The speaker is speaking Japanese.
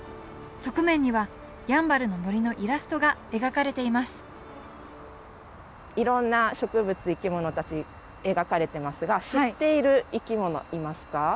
側面にはやんばるの森のイラストが描かれていますいろんな植物生き物たち描かれてますが知っている生き物いますか？